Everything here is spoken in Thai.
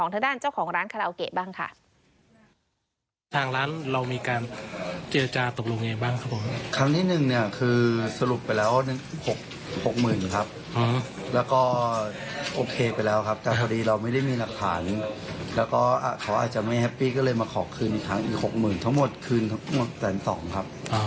ต้องฟังเสียงของทะดาลเจ้าของร้านคาราโอเกะบ้างค่ะ